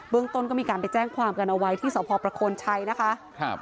เรื่องต้นก็มีการไปแจ้งความกันเอาไว้ที่สพประโคนชัยนะคะครับ